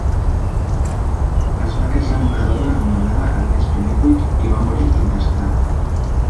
Es va casar amb una dona anomenada Agnes Pennycuick i va morir intestat.